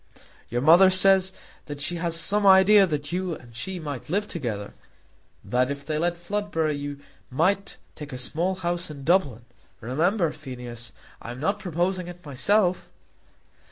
"Your mother says that she has some idea that you and she might live together; that if they let Floodborough you might take a small house in Dublin. Remember, Phineas, I am not proposing it myself."